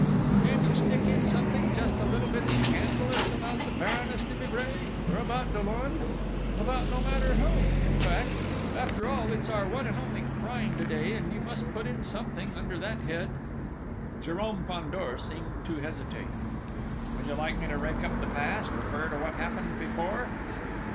"Can't you stick in something just a little bit scandalous about the Baroness de Vibray? Or about Dollon? About no matter whom, in fact? After all, it's our one and only crime to day, and you must put in something under that head!..." Jérôme Fandor seemed to hesitate. "Would you like me to rake up the past refer to what happened before?"